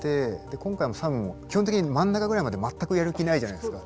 今回もサムも基本的に真ん中ぐらいまで全くやる気ないじゃないですか。